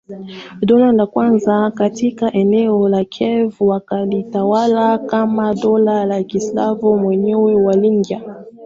dola la kwanza katika eneo la Kiev wakalitawala kama dola la Kislavoni Wenyewe waliingia